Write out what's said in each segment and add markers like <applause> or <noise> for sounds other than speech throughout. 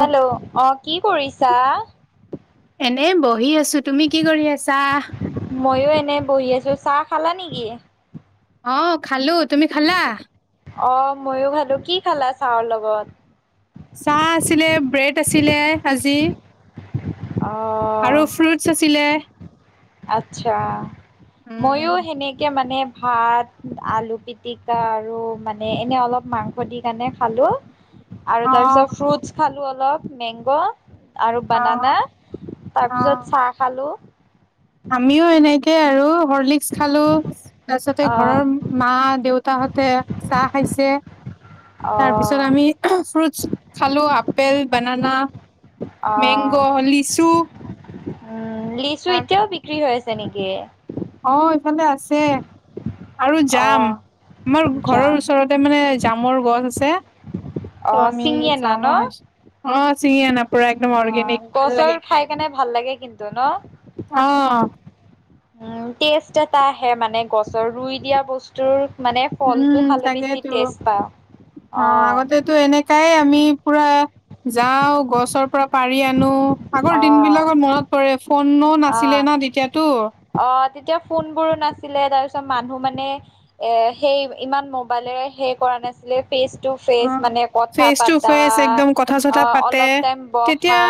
Hello অ কি কৰিছা- এনে বহি আছো তুমি কি কৰি আছা- মইও এনে বহি আছো চাহ খালা নেকি- অ' খালো তুমি খালা- অ' ময়ো খালো কি খালা চাহৰ লগত। চাহ আছিলে ব্ৰেড আছিলে আজি অ আৰু ফ্ৰুটছ আছিলে। আত্ছা উম ময়ো সেনেকে মানে- ভাত আলু পিটিকা আৰু মানে এনে অলপ মাংস দি কাৰণে খালোঁ- আৰু অ তাৰপিছত ফ্ৰুটচ খালোঁ অলপ মেংগ আৰু অ বানানা তাৰপিছত চাহ খালোঁ। আমিয়ো এনেকে আৰু। হৰ্লিক্স খালোঁ, তাৰ পিছতে অ ঘৰৰ মা দেউতাহত তে চাহ খাইছে। অ তাৰ পিছত আমি ফ্ৰুটচ খালোঁ আপেল, বানানা। মেংগ অ' লিচু উম' লেচু তাক এতিয়াও বি- বিক্ৰী হৈ আছে নেকি? অ' ইফালে আছে। আৰু অ জাম, আমাৰ যাম ঘৰৰ ওচৰতে মানে জামৰ গছ আছে। ত অ আমি ছিঙি আনা জামো ন খাইছোঁ। অ' ছিঙি আনা পুৰা অ' একদম অৰ্গেনিক <unintelligible> ভাল গছৰ লাগে খাই কেনে ভাল লাগে কিন্তু ন? অ' উম' টেষ্ট এটা আহে মানে গছৰ, ৰুই দিয়া বস্তুৰ মানে ফলটো উম' খালে বেছি তাকেইতো, টেষ্ট পাওঁ। অ' আগতেতো এনেকাই আমি পুৰা যাওঁ গছৰ পৰা পাৰি আনো। আগৰ দিন অ', বিলাকত মনত পৰে ফোনত অ' অ' তেতিয়া ফোন বোৰো নাছিলে। তাৰপিছত মানুহ মানে এ সেই ইমান মোবাইলেৰে সেই কৰা নাছিলে ফেচ টু ফেচ অ' মানে কথা ফেচ টু পাতা, ফেচ একদম কথা চথা অ' পাতে। অলপ টাইম তেতিয়া বহা।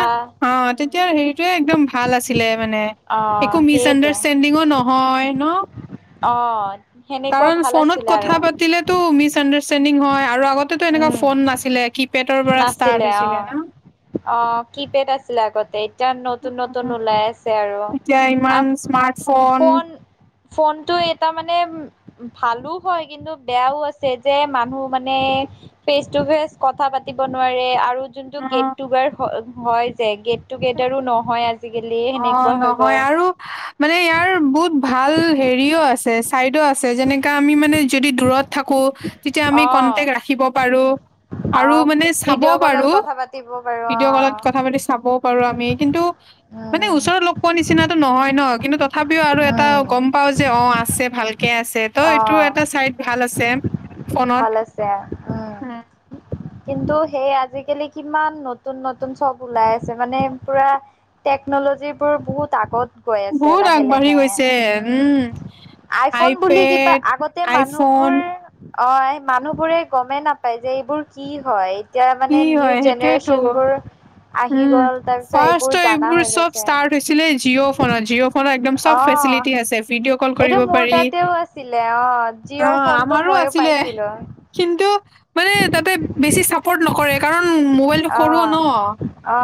অ' উম, তেতিয়া হেৰিটোয়ে একদম ভাল আছিলে মানে। অ', একো মিচ সেইটো আণ্ডাৰষ্টেণ্ডিং নহয় ন। অ', সেনেকুৱা কাৰণ ভাল ফোনত আছিলে কথা আৰু পাতিলে তো মিচআণ্ডাৰষ্টেণ্ডিং চেন্দিং হয় আৰু আগতেতো এনেকুৱা উম, ফোন নাছিলে কি নাছিলে অ', অ', কিপেড আছিলে আগতে এ যাৰ নতুন-নতুন ওলাই আছে তে আৰু এতিয়া ইমান আপ স্মাৰ্টফোন ফোন-ফোনটো এটা মানে <unintelligible> ভালো হয় কিন্তু বেয়াও আছে যে মানুহ মানে ফেচ টু ফেচ ফেচ কথা পাত পাতিব নোৱাৰে আৰু যোনটো অ গেট টুগ হয় যে গেট টুগেডাৰো নহয় আজি অ, নহয় আৰু মানে ইয়াৰ বহুত ভাল হেৰিও আছে চাইদো আছে যেনেকা আমি মানে যদি দূৰত থাকো তেতিয়া আমি অঁ কন্টেক্ট ৰাখিব পাৰোঁ আৰু অঁ মানে চাব ভিডিঅ' কলত পাৰো কথা পাতিব পাৰোঁ অঁ ভিডিঅ' কলত কথা পাতি চাবও পাৰো আমি কিন্তু মানে ওচৰত লগ পোৱা নিচিনাটো নহয় ন' কিন্তু তথা তথাপিও আৰু এটা গম পাও যে অ, আছে ভালকে আছে ত'এইটো অঁ এটা চাইড ভাল আছে ফোনত ভাল আছে উম কিন্তু সেই আজিকালি কিমান নতুন-নতুন চব ওলাই আছে মানে পুৰা টেকনল লজিবোৰ বহুত আগত গৈ আছে বহুত আগবাঢ়ি লাহে-লাহে গৈছে উম, আইফোন বুলি কিবা আইপেড আগতে আইফোন মানুহবোৰ অ, এই মানুহবোৰে গমেই নাপায় যে এইবোৰ কি হয়। এতিয়া কি মানে নিউ হয় সেইটোৱেইতো? জেনেৰেশ্যনবোৰ আহি উম, গ'ল তাৰপিছত ফাষ্টটো জানা এইবোৰ হৈ চব গৈছে ষ্টাৰ্ট হৈছিলে জিঅ ফোন জিঅ' ফোন একদম চব অ ফ্ৰে ফেচিলিটি আছে ভিডিঅ কল এইটো কৰিব মোৰ পাৰি তাতেও আছিলে অ অ, জিঅ' ফোনটো আমাৰো ময়ো আছিলে পাইছিলো কিন্তু মানে তাতে বেছি চাপৰ্ট নকৰে। কাৰণ মোবাইলটো সৰু অ', ন অ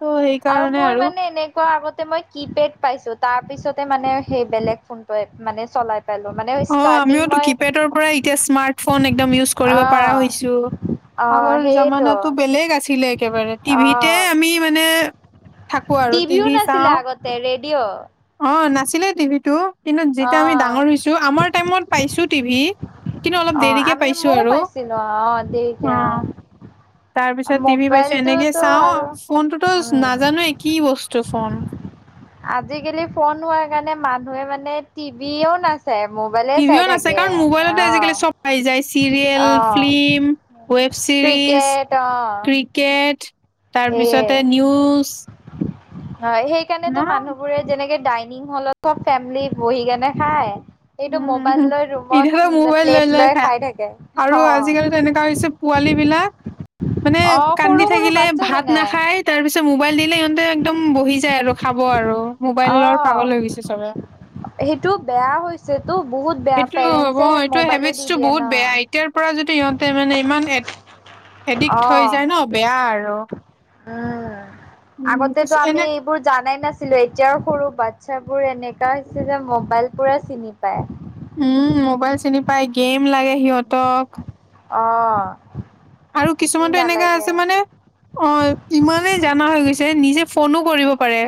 ত' আৰু সেইকাৰণে মই মানে এনেকুৱা আগত মই কিপেড পাইছো তাৰ পিছতে মানে সেই বেলেগ ফোন মানে চলাই পালোঁ মানে অ, ষ্টাৰ্টিং আমিওতো মই কিপেডৰ পৰা এতিয়া স্মাৰ্টফোন একদম ইউজ কৰিব পৰা অ' হৈছো। অ' আগৰ সেইটো জামানাটো বেলেগ আছ ছিলে একেবাৰে টিভিতে অ' আমি মানে থাকো আৰু টিভিও টিভি নাছিলে চাওঁ। আগতে ৰেডিঅ' অ নাছিলে টিভিটো কিন্তু যেতিয়া আমি অ' ডাঙৰ হৈছো আমাৰ টাইমত পাইছো টিভি কিন্তু অলপ অ' দেৰিকে আমি পাইছো ময়ও আৰু পাইছিলোঁ অ' দেৰিকে অ তাৰ পিছত টিভি পাইছো এনেকে মোবাইলটোতো চাওঁ আৰু ফোনটোতো উম নাজানোৱে কি বস্তু ফোন। আজিকালি ফোন হোৱাৰ কাৰণে মানুহে মানে টিভিও নাচায় মোবাইলে টিভিও চাই নাচাই থাকে কাৰণ মোবাইলতে আজিকালি চব পাই যায় চিৰিয়েল অ' ফিল্ম অ' ৱেব চিৰিজ ক্ৰিকেট অ' ক্ৰিকেট সেয়ে তাৰপিছতে নিউজ হয়, সেই না কাৰণেটো মানুহবোৰে যেনেকে ডাইনিং হলত ফেমিলি বহি কেনে খায়। এইটো মোবাইল উম লৈ ৰুমত কিছুমানে মোবাইল লৈ লৈ খাই আৰু অ আজিকালিটো এনেকুৱা হৈছে পোৱা পোৱালি বিলাক মানে অ কান্দি সৰু সৰু থাকিলে বাচ্ছা ভাত জানে নাখাই। তাৰ পিছত মোবাইল দিলে সিহঁতে একদম বহি যায় আৰু খাব আৰু অ মোবাইলৰ পাগল হৈ গৈছে চবে সেইটো বেয়া হৈছেতো বহুত বেয়া এইটো হ'ব পেৰেণ্টছে এইটো মোবাইলে দি হেবিটছটো দিয়ে ন বহুত বেয়া এতিয়াৰ পৰা যদি সিহঁতে মানে ইমান এদিক্ট অ হৈ যায় ন বেয়া আৰু উম, উম, আগতে পিছ তোৰ আমি এনে এইবোৰৰ জনাই নাছিলোঁ। এতিয়াও সৰু বাচ্ছা বোৰে এনেকা হৈছে যে মোবাইল পুৰা চিনি পায়। উম, মোবাইল চিনি পাই, গেম লাগে সিহঁতক। অহ' আৰু কিছুমানতো এনেকা আছে মানে অ' ইমানেই জানা হৈ গৈছে নিজে ফোনো কৰিব পাৰে।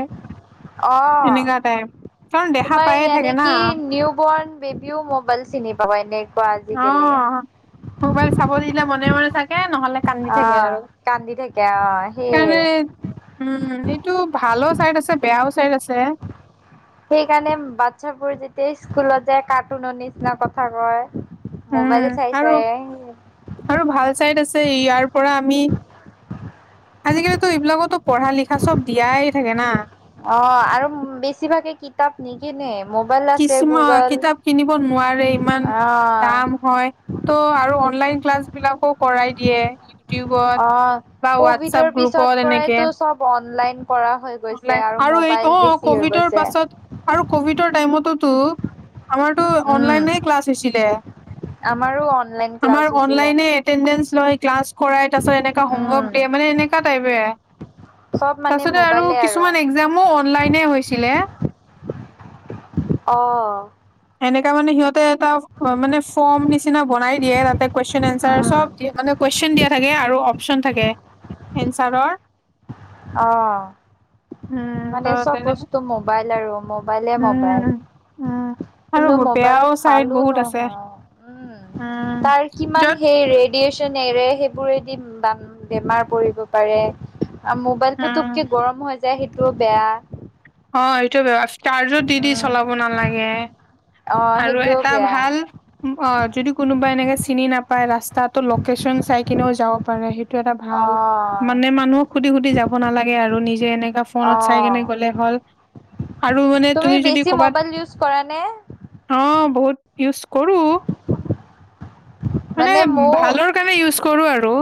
আহ এনেকা টাইপ। কাৰণ দেখা তোমাৰ পায়ে থাকে ইনে না কি নিউ বৰ্ণ বেবীও মোবাইল চিনি পাবা এনে অ' মোবাইল চাব দিলে মনে মনে চাই নহ'লে কান্দি থাকে অ', আৰু কান্দি থাকে অ', সেইয়ে। সেইকাৰণে উম, এইটো ভালোঁ চাইড আছে, বেয়াও চাইড আছে। সেই কাৰণে বাচ্ছাবোৰ যেতিয়া স্কুলত যায় কাৰ্টুনৰ নিচিনা কথা কয়। উম, মোবাইল চাই আৰু চাই ছে ইয়াৰ পৰা আমি আজিকালিতো এইবিলাকো পঢ়া লিখা চব দিয়াই থাকে না? অ আৰু বেছিভাগে কিতাপ নেকিনে কিছুমান কিতাপ কিনিব নোৱাৰে ইমান অ', দাম হয় ত' আৰু অনলাইন ক্লাছ বিলাকো কৰাই দিয়ে ইউটিউবত অ'। বা হোৱাটছপ কভিডৰ পিছত গ্ৰুপত এনেকে পৰাইতো চব অনলাইন কৰা হৈ গৈছে অনলাইন আৰু এই মোবাইল অ বেছি হৈ কভিডৰ গৈছে। পাছত আৰু কভিডৰ টাইমত টোতো অ আমাৰটো উম, অনলাইনে ক্লাছ হৈছিলে আমাৰো অনলাইন ক্লাছ আমাৰ হৈছিলে। অনলাইন এতেন্দেন্স লয় ক্লাছ কৰাই তাৰপাছত এনেকা হোমৱৰ্ক উম। দিয়ে মানে এনেকা টাইপে চব মানে তাৰপাছতে আৰু মোবাইলে কিছুমান একজামো অনলাইনে হৈছিলে অ। এনেকা মানে সিহঁতে এটা মানে ফৰ্ম নিচিনা বনাই দিয়ে তাতে কুৱেশন এনচাৰ উম। চব দিয়া মানে কুৱেশন দিয়া থাকে আৰু অপচন থাকে এনচাৰৰ অহ উম ত মানে চব তেনে বস্তু মোবাইল আৰু মোবাইলে মোবাইল উম উম আৰু কিন্তু মোবাইল বেয়াও চাইড ভালো বহুত আছে নহয়, উম উম তাৰ কিমান য'ত হে ৰে ৰেডিচন এৰে সেইবোৰেদি বেমাৰ পৰিব পাৰে আৰু মোবাইল উম পুতোকে গৰম হৈ যায় সেইটোও বেয়া অ এইটো <unintelligible> চাৰ্জত দি দি চলাব নালাগে অ', আৰু সেইটোও এটা বেয়া ভাল উম, অ যদি কোনোবা এনেকে চিনি নাপায় ৰাস্তাতো লোকেশ্যন চাই কিনেও যাব পাৰে সেইট এটা ভাল অ'। মানে মানুহক সুধি সুধি যাব নালাগে আৰু নিজে এনেকা ফোনত চাই অ', কেনে গ'লে হ'ল আৰু মানে তুমি যদি বেছি কৰ'বাত মোবাইল ইউজ কৰা নে? অ', বহুত ইউজ কৰো মানে ভালৰ কাৰণে ইউজ কৰো আৰু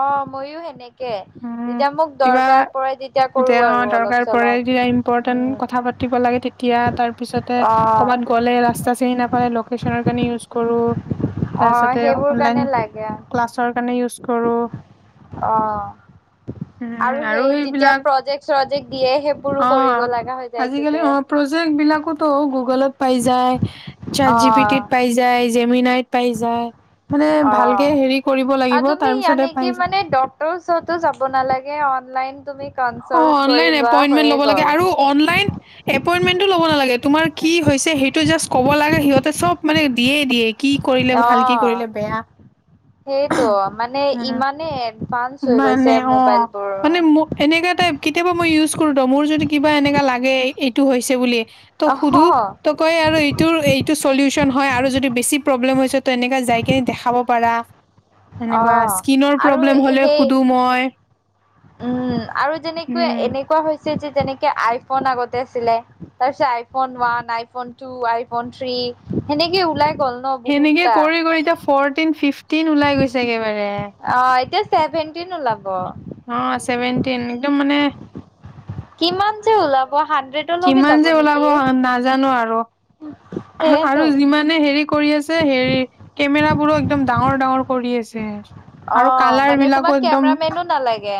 অ ', ময়ো সেনেক কে উম, যেতিয়া মোক কিবা দৰকাৰ পৰে তেতিয়া যে কৰো অ' আৰু দৰকাৰ অলপ পৰে চলপ কিবা ইম্পৰ্টেণ্ট উম। কথা তেতিয়া, তাৰ পিছতে অ', কবাত গ'লে ৰাস্তা চিনি নাপালে লোকেশ্যনৰ কাৰনে ইউচ কৰো, অ' তাৰপিছত সেইবোৰ কাৰণে অনলাইন লাগে ক্লাছ ৰ কাৰনে ইউজ কৰোঁ। অহ। উম, আৰু সেই যেতিয়া এইবিলাক প্ৰজেক্ট চজেক্ট দিয়ে সেইবোৰো কৰিব অ' লগা হৈ যায় এইটোতে তাকোতো গুগলত পাই যায়চট জি পি অ', টিত পাই যায়, জেমিনাইত পাই যায় মানে ভালকে অ'। হেৰি কৰিব আৰু লাগিব তাৰ পিছতে পাই যায় কতো যাব নালাগে অনলাইন তুমি অ', কনচাল্ট কৰি অনলাইন লোৱা এপইনমেন্ট হৈয়ে ল'ব লাগে গ'ল আৰু অনলাইন এপইনমেন্টতো ল'ব নালাগে তোমাৰ কি হৈছে সেইটো জাষ্ট ক'ব লাগে সিহঁতে চব মানে দিয়ে দিয়ে কি কৰিলে ভাল কি অ'। কৰিলে বেয়া সেইটো মানে উম। ইমানেই এডভান্স হৈ মানে গৈছে অ', মোবাইলবোৰ মানে ম এনেকা টাইপ কেতিয়াবা মই ইউজ কৰো ত মোৰ যদি কিবা এনেকা লাগে এইটো হৈছে বুলি ত সুধো অহ। ত কয় আৰু এইটোৰ এইটো চলিউচন হয়, আৰু যদি বেছি প্ৰব্লেম হৈ তো এনেকা যায় কেনে দেখাব পাৰা, এনেকুৱা অ', ইচকিনৰ আৰু প্ৰব্লেম হ'লে সেই সুধো মই। উম, আৰু যেনেকুৱা উম এনেকুৱা হৈছে যে, যেনেকে আইফোন আগতে আছিলে তাৰ পিছত iPhone one, iPhone two, iPhone three সেনেকে ওলাই গ'ল ন সেনেকে বহুতটা। কৰি, কৰি এতিয়া ফৰটিন, ফিফটিন ওলাই গৈছে একেবাৰে ছেভেন্টিন ওলাব। অ ছেভেনটিন একদম মানে কিমান যে ওলাব হাণ্ড্ৰেডলৈকে কিমান যাব যে, ওলাব নেকি নাজানো আৰু সেইটো। আৰু যিমানে হেৰি কৰি আছে হেৰি কেমেৰা বোৰো একদম ডাঙৰ, ডাঙৰ কৰি আছে। আৰু অ', কালাৰ মানে তোমাক বিলাকো একদম কেমেৰামেনো নালাগে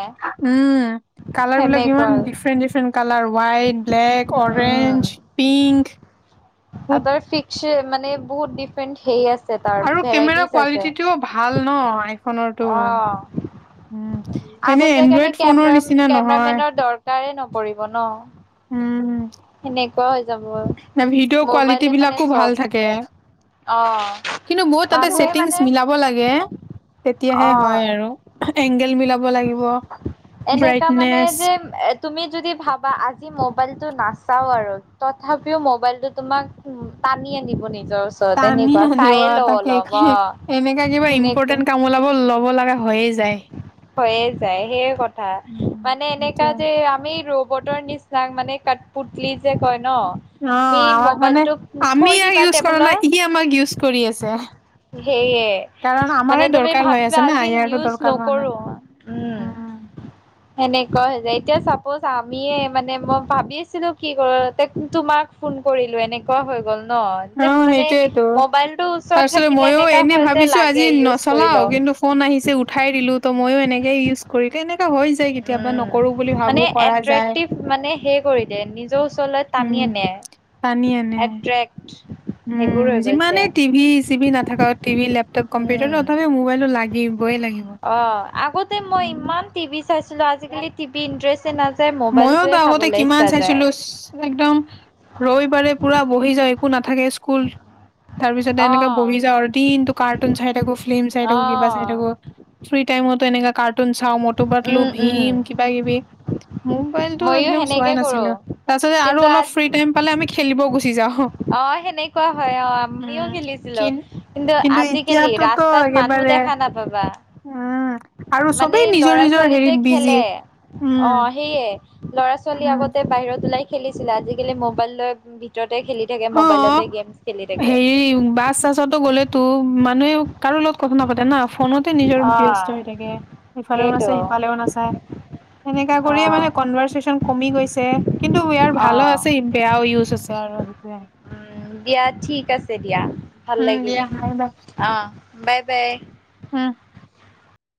উম। কালাৰ বিলাক সেনেকুৱা ইমান আৰু different different colour white, black, um. Orange, pink. আৰু বহুত তাৰ ফিক্স মানে বহুত ডিফাৰেণ্ট হেই আছে তাৰ আৰু কেমেৰা ভেৰাইটিজ আছে। কোৱালিটিটোও ভাল ন? আইফোনৰটো অ'। উম, এনে আগত যাই কাৰণে এনড্ৰইড ফোনৰ কেমেৰা নিচিনা নহয়। কেমেৰামেনৰ দৰকাৰে নপৰিব ন উম। সেনেকুৱা হৈ যাব ন ভিডিঅ' কোৱালিটী মোবাইলে মানে বিলাকো ভাল চব থাকে। অ কিন্তু বহুত তাতে মানুহে ছেটিংছ মানে মিলাব লাগে কে তেতিয়াহে অ হয়, আৰু এংগেল মিলাব লাগিব। এনেকা মানে ব্ৰাইটনেচ যে, এ তুমি যদি ভাবা আজি মবাইলটো নাচাও আৰু তথাপিও মোবাইলটো তোমাক টানি আনিব নে টানি আনিব তাকে অ এনেকা কিবা সেনেকুৱা ইম্পৰ্টেন্ট কাম ওলাব ল'ব লগা হ হয়ে যায়। হয়ে যায় সেইয়ে কথ থা উম, মানে এনেকা সেইটোৱে। যে, আমি ৰবটৰ নিচাক মানে কাট পুতলি যে, কয় ন অ', তুমি আমাক মানে মোবাইলটো আমি থৈ ইয়াক দিবা ইউজ কৰা টেবুলত নাই, ই আমাক ইউজ কৰি আছে। সেয়ে কাৰণ আমাৰে মানে তুমি দৰকাৰ হৈ ভাবিবা আছে না, আজি ইয়াৰতো নিউজ দৰকাৰ হোৱা নাই। নকৰো উম। সেনেক ক যে, এতিয়া চাপজ আমিয়ে মানে মই ভাবি আছিলো কি কৰ তোমাক ফোন কৰিল এনেকুৱা হৈ গ'ল। ন তে অ', মানে সেইটোয়েতো। মবাইলটো ওচৰত তাৰপিছতে থাকিলে মইও এনেকা এনে হয়, যে, ভাবিছো আজি লাগে ইউজ কৰি নচলাও লওঁ। কিন্তু ফোন আহিছে উঠাই দিলো তো ময়ো এনেকে ইউজ কৰিলো এনে উম মানে কৰা যায় একট্ৰেকটিভ মানে হেই কৰি দেই নিজৰ ওচৰলৈ উম তানি নে টানি আনে একট্ৰেক্ট উম যিমানে টিভি চিভি নাথাক টিভি লেপটপ কম্পিউটাৰও উম তথাপি মোবাইলো লাগে অ আগতে মই উম ইমান টিভি চাইছো আজিকালি টিভি ইন্টাৰেষ্টে নাযায় মইওতো মোবাইলটোয়ে আগতে চাবলৈ কিমান ইচ্ছা যায় চাইছিলো একদম ৰবিবাৰে পুৰা বহি যায় একো নাথাকে স্কুল তাৰ পিছতে এনেকে অ', বহি যাও আৰু দিনতো কাৰ্টুন চাই থাকো ফ্লিম চাই থাকো কিবা চাই অ', থাকো ফ্ৰী টাইমত তো এনেকা কাৰ্টুন চাও মটু পাটলু উম, উম, ভীম কিবা কিবি ম মবাইল টো ময়ো একদম চোৱাই সেনেকে কৰো নাছিলো তাৰ পাছতে আৰু কিন্তু অলপ আজ ফ্ৰী টাইম পালে আমি খেলিব গুচি যাওঁ অ সেনেকুৱা হয় অ আমিও উম খেলিছিলো কিন কিন্তু আজিকালি এতিয়াতোতো ৰাস্তাত মানুহ একেবাৰে দেখা খানা পাবা উম আৰু মানে চবেই নিজৰ লৰা নিজৰ ছোৱালীতেে হেৰিত বিজি খেলে অ উম সেয়ে ল'ৰা ছোৱালী উম আগতে বাহিৰত ওলাই খেলিছিলে আজিকালি মোবাইল লৈ ভিতৰত অ হেৰি বাছ চাছতো গ'লেতো মান মানুহে কাৰো লগত কথা নাতে না ফোনতে নিজৰ ব্যস্ত অ', হৈ থাকে সফালেও নাচায় সেইটো। সিফালেও নাচায় সেনেকা কৰিয়ে অঁ মানে কনভাৰ্চচন কমি গৈছে কিন্তু ইয়াৰ ভালো অঁ আছে বেয়াও ইউজ আছে আৰু সেইটোৱে। উম দিয়া ঠিক আছে দিয়া ভাল উম লাগিল দিয়া। Bye bye. অ বাই বাই উম